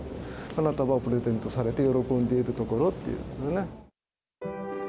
花束をプレゼントされて喜んでいるところという。